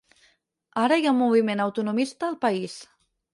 Ara hi ha un moviment autonomista al país.